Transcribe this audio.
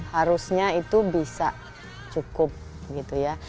harusnya itu bisa cukup gitu ya